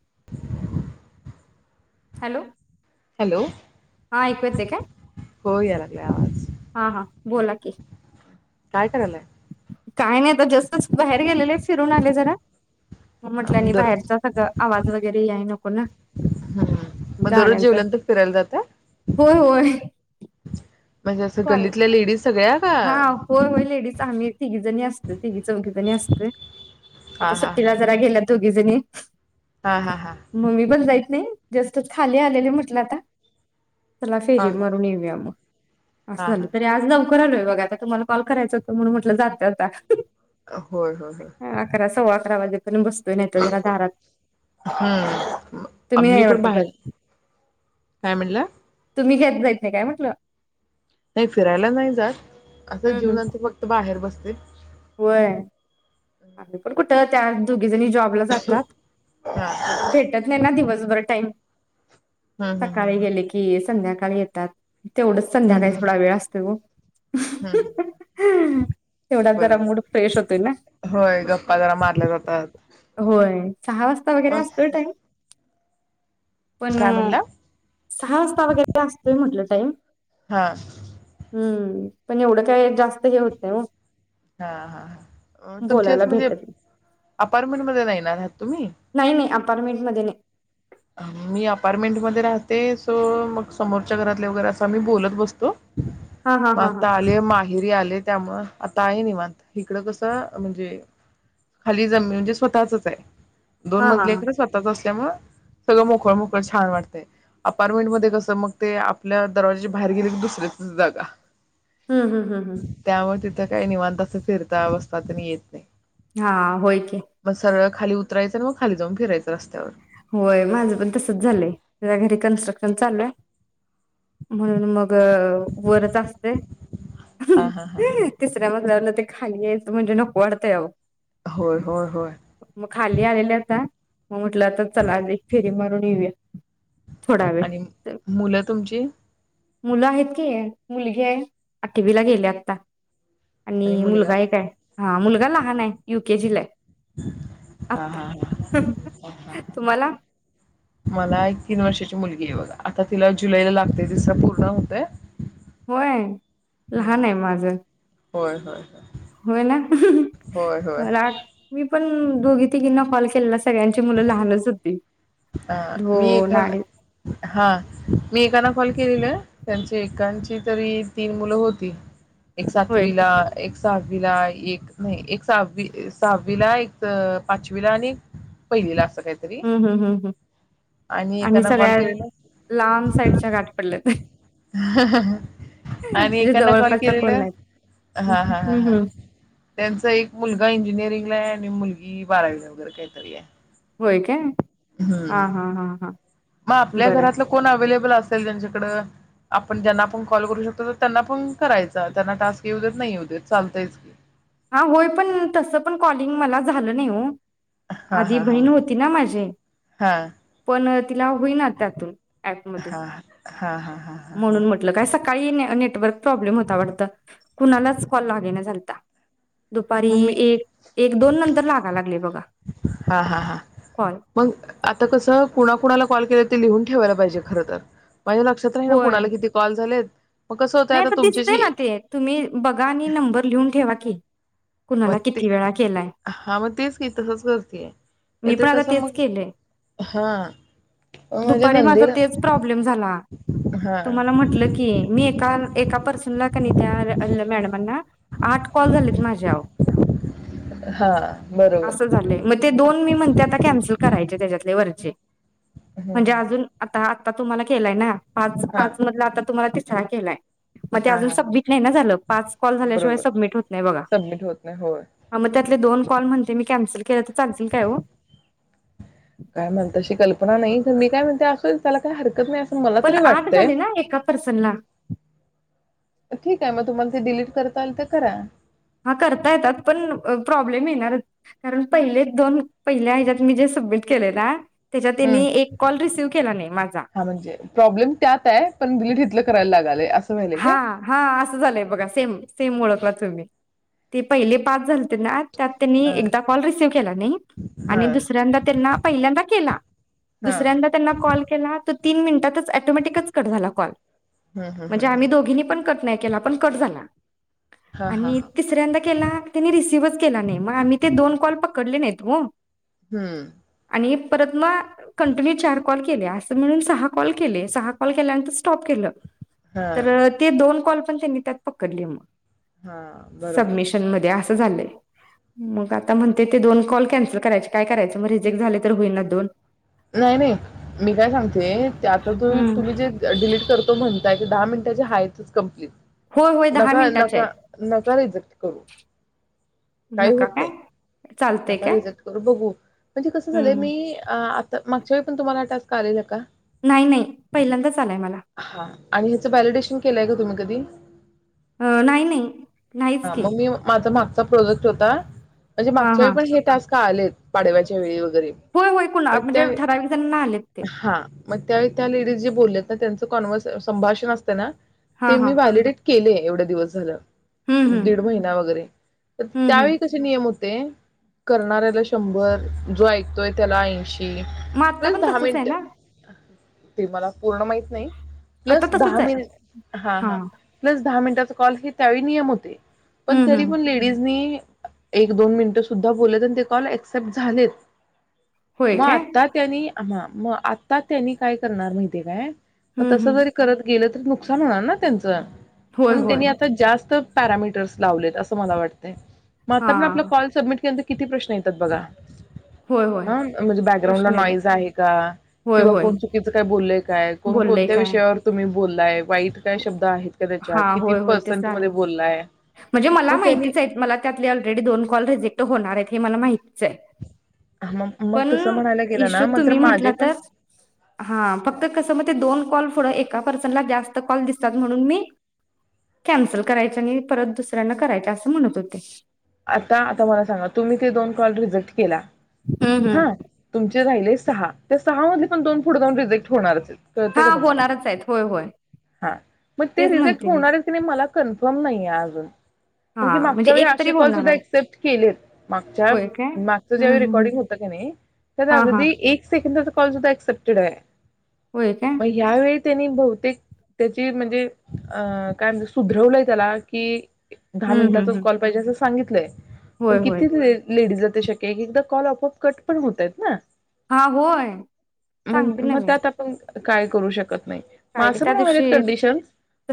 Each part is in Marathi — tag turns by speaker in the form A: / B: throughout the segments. A: [inaudible]
B: हॅलो
A: हॅलो
B: हा ऐकू येते काय
A: हो यायलागलाय आवाज
B: हा हा बोला की,
A: काय करायलाय
B: काय नाय ग जस्तच बाहेर गेलेले फिरून आले जरा म्हटल्या आणि
A: दर
B: बाहेरचा सगळ आवाज वगैरे यायला नको ना
A: हम्म मग दररोज
B: गाड्यांचा
A: जेवल्यानंतर फिरायला जाताय
B: हो होय. [inaudible]
A: म्हणजे असं
B: कॉल
A: गल्लीतल्या लेडीज सगळ्या का
B: हा होय होय लेडीच आम्ही तिघी जणी असत तिघी चौघी जणी आसतोय.
A: हा
B: आता
A: हा
B: सुट्टीला जरा गेलात दोघीजनी
A: हा हा हा हा
B: म मी पण जाय जस्टच खाली आलेले म्हटल आता चला
A: हा
B: फेरी
A: हा
B: मरून येऊया म असं
A: हा
B: झालं
A: हा
B: तरी आज नव्ह करालोय बघा आता तुम्हाला कॉल करायच होता म्हणून म्हटलं जात जाता
A: होय होय होय
B: अकरा, सव्वा [unintelligible] आणि बसतोय नायत जरा दारात तुम्ही
A: हम्म मी
B: नाय
A: पण
B: वाटत
A: बाहेर
B: जात
A: काय म्हणलं
B: तुम्ही घेत जायच नाही काय म्हटलं?
A: नाही फिरायला नाही जात. असं
B: हम्म हम्म
A: जेवल्यानंतर फक्त बाहेर बसतय.
B: होय. आमी पण कुठं त्या दु घीजनी जॉबला जातात
A: हा
B: भेटतं नाही ना दिवसभ वर टाईम
A: हम्म हम्म
B: सकाळी
A: हम्म
B: गेले कि संध्याकाळी सकाळी येतात. तेवढंच संध्याकाळी थोडा वेळ असतो ओ
A: हम्
B: तेवढा जरा मूड फ्रेश होतोय ना?
A: होय गप्पा जरा मारल्या जातात.
B: होय सहा वाजता वगैरे असतोय टाईम पण
A: काय म्हणला
B: सहा वाजता वगैरे असतोय म्हटलं टाईम
A: हा
B: हम्म पण एवढं काय जास्त हे होत नाय ओ
A: हा, हा तुमची
B: बोलायला
A: असं म्हणजे अप
B: भेटत
A: अपारमेंट मध्ये नाही ना राहत तुम्ही?
B: अपारमेंट मध्ये नाही.
A: मी अपारमेंट मध्ये राहते सो मग समोरच्या घरातले वगैरे असा मी बोलत बसतो.
B: हा हा
A: म
B: हा हा
A: आता आले माहेरी आले त्यामुळ आता आहे निवत इकडं कसं म्हणजे खाली जमी म्हणजे स्वतःचच आहे. दोन
B: हा हा हा
A: मजले आहे खर स्वतःच असल्यामुळ सगळं मोकळ मोकळ छान वाटतय अपारमेंट मध्ये कसं मग ते आपल्या दरवाज्याच्या बाहेर गेले क दुसऱ्याचिच जागा
B: हम्म, हम्म, हम्म, हम्म
A: त्यामुळे तिथं काय निवांत काही फिरता बसता तेनं येत नाही
B: हा होय की
A: मग सरळ खाली उतरायचं मग खाली जाऊन फिरायचं रस्त्यावर
B: होय माझं पण तसच झालंय तुझ घरी कन्स्ट्रक्शन चालू आहे. म्हणून मग वरच असते
A: हा हा हा
B: तिसऱ्या मज ते खाली यायचं म्हणजे नको वाटतय आओ
A: होय होय होय
B: मग खाली आलेले आता मग म्हटलं आ चला एक फेरी मारून येऊया. थोडा
A: आणि
B: वेळ
A: मुलं तुमची
B: मुलं आहेत की मुलगी आहे आठवी ला गेली आता आणि मुलगा एक हाय हा मुलगा लहान आहे युके जीला
A: हा, हा, हा, हा
B: तुम्हाला
A: मला एक तीन वर्षाची मुलगी आहे बघा आता तिला जुलैला लागतय तिसरा पूर्ण होतेय.
B: होय लहान आहे माझा
A: होय होय होय
B: होयना
A: होय
B: मला [inaudible] मी पण दोघी-तिघींना कॉल केलेला सगळ्यांची मुलं लहानच होती.
A: अ मी
B: दोन
A: एखा
B: अडीच
A: हा मी एकाना कॉल केलेला त्यांची एकांची तरी तीन मुलं होती एक
B: होय
A: सातवी ला, एक सहावीला, एक नाही एक सहावी सहावीला, एक पाचवीला आणि एक पहिलीला अस काहीतरी
B: हम्म हम्म हम्म हम्म
A: आणि ऐकांना कॉल
B: सगळ्यात
A: केलेला
B: लांब साईडच्या गाठ पडल्यात
A: आणि
B: म्हणजे
A: ऐकांना कॉल
B: जवळपासच्या कोण
A: केलेला
B: नाहीत.
A: हा हा
B: हम्म
A: हा
B: हम्म
A: त्यांचा एक मुलगा इंजिनिअरिंगला आहे मुलगी बारावीला वगैरे काहीतरी आहे.
B: होय काय? हा
A: हम्म
B: हा हा हा
A: मग आपल्या
B: बरं आहे.
A: घरातलं कोण अवेलेबल असेल त्यांच्याकडे? आपण ज्यांना आपण कॉल करू शकतो त्यांना पण करायचा त्यांना टास्क येऊ देत नाही येऊ देत चालतायच की
B: हा होय पण तस पण कॉलिंग मला झालं नाही हो
A: हा
B: आधी
A: हा हा
B: बहीण
A: हा
B: होती ना माझी
A: हा
B: पण तिला होइना त्यातून ऍपमधून
A: हा हा हा हा हा हा
B: ताई ने नेटवर्क प्रॉब्लेम होता वाटतं कुणालाच कॉल लागेना झालता दुपारी
A: मग मी
B: एक, एक-दोन नंतर लागा लागले बघा
A: हा हा हा
B: कॉल
A: मग आता कसं कुणा-कुणाला कॉल केले ते लिहून ठेवायला पाहिजे खरं तर माझ्या लक्षात राहीना
B: होय
A: कुणाला किती कॉल झालेत? मग कसं होतंय
B: नाही आता दिसतय ना
A: तुमच्याशी
B: ते तुम्ही बघा आणि नंबर लिहून ठेवा की
A: म
B: कुणाला
A: ते
B: किती वेळा केलाय
A: हा म तेच की तसच करतीये
B: मी
A: येत
B: पण आता
A: कसं
B: तेच
A: मग
B: केलंय
A: हा म्हणजे
B: दुपारी माझा
A: नंदेला
B: तेच प्रॉब्लेम झाला
A: हा
B: तुम्हाला म्हटलं की मी एका एका पर्सनला कनी त्या र ल मॅड मॅडमांना आठ कॉल झालेत माझे आहो
A: हा
B: असं
A: बरोबर
B: झालंय मग ते दोन मी म्हणते आता कॅनसल करायचे त्याच्यात ले वरचे म्हणजे अजून आता आता तुम्हाला केलाय ना
A: हा
B: पाच-पाच मधलं आता तुम्हाला तीस छान केलाय म ते
A: हा
B: अजून
A: हा
B: सबमिट नाही ना झाल पाच कॉल झाल्याशिवाय
A: बरोबर
B: सबमिट होत नाही बघा
A: सबमिट होत नाही होय
B: हा म त्यातले दोन कॉल म्हणते मी कॅन्सल केलं तर चालतील काय हो
A: काय म्हल तशी कल्पना नाही. मी काय म्हणतोय असुदे त्याला काय हरकत नाही असं मला
B: पण
A: तरी
B: आठ
A: वाटतंय
B: झाले ना एका पर्सनला
A: ठीक आहे मग तुम्हाला ते डिलीट करता आल तर करा
B: हा करता येतात पण प्रॉब्लेम येणार कारण पहिले दोन पहिल्या ह्याज्यात मी जे सबमिट केलेलं ना त्याच्यात
A: हम्म
B: त्यांनी एक कॉल रिसीव्ह केला नाही माझा
A: हा म्हणजे प्रॉब्लेम त्याताय पण बिलीट हिताल कराय लाग झालया
B: हा हा असं झालंय बघा सेम सेम ओळखलात तुम्ही ते पहिले पाच झाल त्याना त्यात त्यानी
A: हा
B: एकदा कॉल रिसीव केला नाही
A: हा
B: आणि दुसऱ्यांदा त्यांना पहिल्यांदा केला
A: हा
B: दुसऱ्यांदा त्यांना कॉल केला तर तीन मिनिटातच ऑटोमॅटिकच कट झाला कॉल
A: हम्म हम्म
B: म्हणजे
A: हम्म
B: आम्ही
A: हम्म
B: दोघीनी पण कट नाही केला पण कट झाला
A: हा हा
B: आणि
A: हा
B: तिसऱ्यांदा केला त्यांनी रिसिव्हच केला नाही म आम्ही ते दोन कॉल पकडले नाहीत ओ
A: हम्म
B: आणि परत म कंटिन्यू चार कॉल केले अस म्हणून सहा कॉल केले सहा कॉल केल्यानंतर स्टॉप केलं.
A: हा
B: तर ते दोन कॉल त्यांनी त्यात पकडले मग
A: हा बरोबर
B: सबमिशनमध्ये असं मग आता म्हणते ते दोन कॉल कॅन्सल करायचे काय करायच मग रिजेक्ट झाले तर होईल ना दोन
A: नाही नाही मी काय सांगते आता त
B: हम्म.
A: तुम्ही जे डिलीट करतो म्हणताय दहा मिनटाच्या हातच कम्प्लीट
B: होय होय दहा
A: नका
B: मिनिटाचे
A: नका
B: आहेत.
A: नका रिजेक्ट करू काही
B: नका
A: होत नाही
B: काय चालतंय
A: नका
B: काय?
A: रिजेक्ट करू बघू म्हणजे कस झालंय
B: हम्म.
A: मी मागच्या वळी पण तुम्हाला हा टास्क आलेल आहे का
B: नाही नाही पहिल्यांदाच आलाय मला
A: हा आणि ह्याच व्हॅलिडेशन केलंय का तुम्ही कधी?
B: अ नाही नाही नाहीच
A: हा
B: की
A: मग ममी माझं माग चा प्रोडक्ट होता म्हणजे
B: हां
A: मागच्या
B: हां.
A: वेळी पण हे टास्क आलेत पाडव्याच्या वेळी वैगरे
B: होय कुणा म्हणजे ठराविक जणना आलेत ते.
A: म त्यावेळी त्या लेडीज जे बोललेत ना त्यांचं कॉन्वस संभाषण असते ना ते
B: हां हां
A: मी व्हॅलिडेट केले. एवढं दिवस झालं.
B: हम्म हम्म.
A: दीड महिना वगैरे, तर
B: हम्म
A: त्यावेळी
B: हम्म
A: कसे नियम होते. करणाऱ्याला शंभर जो ऐकतोय त्याला ऐंशी.
B: म आता पण तसच आहे ना
A: ते मला पूर्ण माहित नाही
B: आता
A: प्लस
B: तसंच
A: दहा
B: आहे
A: मिनी, हा हा
B: हां
A: प्लस दहा मिनिट. तस कॉल चे त्यावेळी नियम होत ते! पण
B: हम्म
A: तरी
B: हम्म.
A: पण लेडीजनी एक दोन मिनटं सुद्धा बोललेत, आणि ते कॉल ऍक्सेप्ट झालेत.
B: होय
A: म
B: काय
A: आत्ता त्यानी आ म आता त्यांनी काय करणार माहितीय काय? म
B: हम्म
A: तस
B: हम्म
A: जरी करत गेलं तरी नुक नुकसान होणार ना त्यांचं
B: होय
A: म्हणून
B: होय
A: त्यांनी आता जास्त पॅरामीटर्स लावलेत असं मला वाटतय म आता पन आपला
B: हां
A: कॉल सबमिट केनदित. किती प्रश्न येतात बघा.
B: होय होय
A: हा म्हणजे बॅकग्राउंडला
B: प्रश्न येतात
A: नॉईज आहे का,
B: होय
A: किंवा
B: होय.
A: कोण चुकीचं काय बोललंय काय, कोण
B: बोललंय
A: कोणत्या
B: काय?
A: विषयावर तुम्ही बोललाय वाईट काय शब त आहे का त्याच्यात
B: हां
A: किती
B: होय होय ते
A: पर्सेंट मध्ये
B: चालेल.
A: काय अ?
B: म्हणजे मला माहितीच आहेत, मला त्यातले ऑलरेडी दोन कॉल रिजेक्ट होणार आहेत. हे मला माहित
A: हां, मग मग
B: पण
A: तसं म्हणायला गेलं
B: इशु
A: ना मग तर
B: तुम्ही म्हटल
A: माझे पण
B: तर, हा फक्त कस म ते दोन कॉल थोडा एक त्या पर्सनल ला जास्त कॉल दिसतात म्हणून मी कॅन्सल करायचे आणि परत दुसऱ्यांना करायच्या असं म्हणत होते
A: का आता, आता माला सांगा तुम्ही ते दोन कॉल रिजेक्ट केला.
B: हम्म हम्म.
A: तुमचे राहिले त्या सहा मधले पण दोन पुढ जाऊन रिजेक्ट होणारच हेत. कळते का
B: हां
A: तुम्हाला,
B: होणारच आहेत होय होय
A: ह मग ते
B: तेच
A: रिजेक्ट
B: म्हणते मी.
A: होणार हेन नाही मला क कोण नाहीे अजून
B: हा
A: कारण की
B: म्हणजे
A: मागच्या वेळी
B: एक
A: असे
B: तरी
A: कॉल
B: होणार
A: सुद्धा
B: आहे.
A: एक्सेप्ट केले मागच्या
B: होय काय?
A: मागचं
B: हम्म
A: जे
B: हम्म हम्म.
A: रेकॉर्डिंग होतं का ना ते
B: हां हां
A: अगदी एक सेकंदाचं पण काय एक्सेप्टड आहे
B: होय काय?
A: म यावेळी त्यांनी बहुतेक त्याची म्हणजे अ काय म्हण सुधरवलंय त्याला की, दहा
B: हम्म हम्म
A: मिनटाचा
B: हम्म.
A: कॉल पाहिजे अस सांगितलेय पण
B: होय होय.
A: किती किती लेडीज लागती क एकदा कॉल अप अप कट पण होत आहेत ना
B: हा होय
A: म्हण
B: सांगते ना
A: मग
B: मी
A: त्यात आपण काय करू शकत नाही
B: काय
A: मां
B: त्या
A: पण रा
B: दिवशी
A: कंडिशन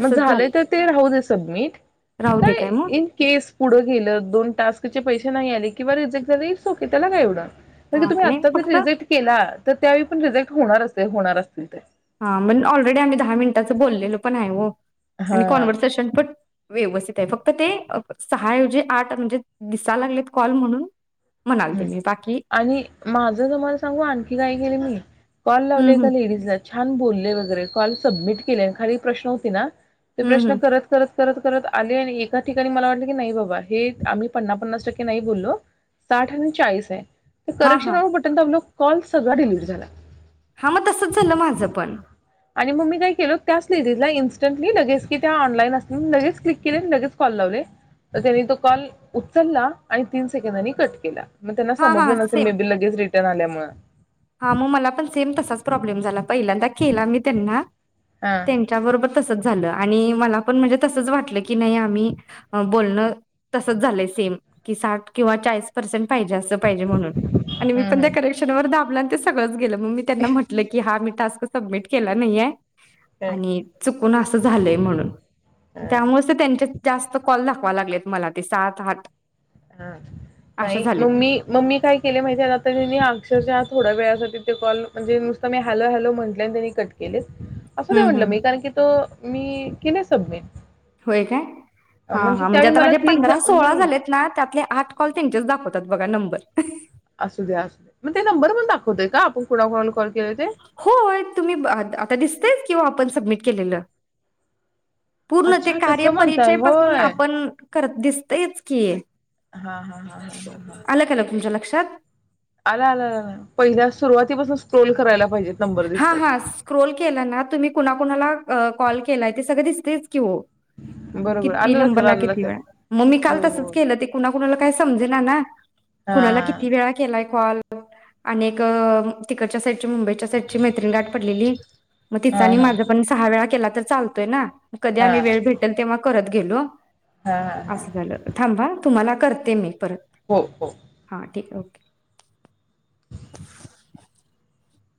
A: मग झाले
B: झालं
A: तर ते राहू सबमिट
B: राहू दे
A: काय
B: मग
A: इन केस- पुढ गेलं दोन टास्कचे पैसे नाही आले किंवा रिजेक्ट झाल इट्स ओके त्याला काय एवढं म्हणी
B: हा
A: तुम्ही
B: नाही
A: आत्ताच
B: फक्त
A: रिजेक्ट केला तर त्यावेळी पण रिजेक्ट होणार असे होणार असतील ते
B: हा म्हण ऑलरेडी आम्ही दहा मिनिटाचं बोललेलो पण आहे हो आणि
A: हा
B: कॉन्व्हर्सेशन पण, व्यवस्थित आहे फक्त ते सहाऐवजी आठ म्हणजे दिसायला लागलेत कॉल म्हणून म्हणाल ते
A: हम्म
B: मी बाकी
A: आणि माझ तम्हाला सांगू आणखी काय केले मी कॉल
B: हम्म
A: लावले एक
B: हम्म
A: लेडीजला छान बोलले वगैरे कॉल सबमिट केले खाली प्रश्न होते ना ते
B: हम्म
A: प्रश्न
B: हम्म
A: करत करत करत करत आले आणि एका ठिकाणी मला वाट की नाही बाबा हे आम्ही पन्ना पन्नास टक्के नाही बोललो साठ आणि चाळीस आहे. तर
B: हा हा
A: करेक्शन बटन दाबले कॉल सगळा डिलीट झाला‌.
B: हा मग तसंच झालं माझ पण
A: आणि मग मी काय केल त्याच लेडीजला इन्स्टंटली लगेच की, त्या ऑनलाईन असल्या लगेच क्लिक केले लगेच कॉल लावले तर त्यानी तो कॉल उचलला आणि तीन सेकंदनी कट केला मग त्यांना
B: हा हा
A: समजलं नसेल
B: सेम
A: मे बी लगेच रे त्या राहण्यामुळं
B: हा म मला पण सेम तसाच प्रॉब्लेम झाला पहिल्यांदा केला मी त्यांना
A: हा
B: त्यांच्याबरोबर तसंच झालं आणि मला पण म्हणजे तसंच वाटलं की नाही आम्ही अ बोलण तसंच झालंय सेम की साठ किंवा चाळीस परसेंट पाहिजे अस पाहिजे म्हणून आणि मी
A: हम्म
B: पण त्या
A: हम्म
B: करेक्शन वर दाबलं आणि ते सगळंच म मि त्यांना म्हटलं कि हा मी टास्क सबमिट केला नाहीयाय.
A: काय
B: आणि चू पण असं झालंय म्हणून
A: हा
B: त्यामुळेच तर त्यांचेच जास्त कॉल दाख दाखवा लागलेत मला ते सात, आठ
A: हा
B: असे
A: नाही म
B: झालेत
A: मी, म मी काय केले माहिते का आता त्यांनी अक्षरशः थोड्या वेळा होते ते कॉल म्हणजे मी नुसतं हॅलो-हॅलो म्हटले आणि त्यांनी कट केलेत. असं नाही
B: हम्म
A: म्हटलं
B: हम्म
A: मी कारण की तो मी केल सबमिट.
B: होय काय? हा हा म्हणजे
A: त्यावेळी
B: आता
A: मला
B: माझे
A: क्लिक
B: पंधरा सोळा
A: नाही
B: झालेत ना त्यातले आठ कॉल त्यांचेच दाखवता त्यात बघा नंबर
A: असू द्या, असू द्या मग ते नंबर पण दाखवतय का? आपण कोणा कोणाला कॉल केले ते
B: होय तुम्ही ब आ आता दिसतयचं की किंवा आपण सबमिट केलेलं. पूर्ण ते
A: अच्छा
B: कार्य
A: तसं म्हणताय
B: परिचय पासून
A: होय
B: आपण करत दिसतयच की
A: हा हा हा हा
B: आल का तुमच्या लक्षात.
A: आल आल पहिल्या सुरुवातीपासून स्क्रोल करायला पाहिजेत. नंबर
B: हा
A: दिसतात
B: हा स्क्रोल केला ना तुम्ही कुणा कुणाला अ कॉल केलाय ते सगळं दिसतंय. तेच की ओ
A: बरोबर
B: किती
A: आलं लक्षात
B: नंबरला?
A: आलं
B: किती
A: लक्षात
B: वेळा? मग मी काल
A: हो
B: तसच
A: हो
B: केलं ते कुणा-कुणाला काय सम समजेना ना कुणाला
A: हा
B: किती वेळा केलाय कॉल? आणि एक अ तिकडच्या साईटच्या मुंबईच्या ची मैत्रीण गाठ पडलेली म तिच
A: हां
B: आणि
A: हां
B: माझ पण सहा वेळा केला अता चालतोय ना. म कधी आम्ही
A: हां हां
B: वेळ भेटल तेव्हा परत गेलो.
A: हां
B: अस
A: हां
B: झाल थांब हा तुम्हाला करते मी परत.
A: हो हो
B: [unintelligible]